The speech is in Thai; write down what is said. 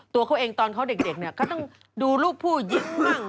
ตัวเขาเองตอนเขาเด็กเขาต้องดูลูกผู้หญิงบ้าง